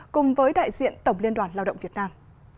cùng với đại diện tổng liên đoàn lao động việt nam